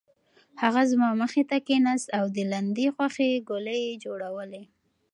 هغه زما مخې ته کېناست او د لاندي غوښې ګولې یې جوړولې.